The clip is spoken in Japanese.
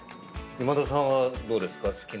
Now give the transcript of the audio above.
今田さんはどうですか？